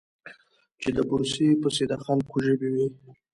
چې د بورې پسې د خلکو ژبې وې.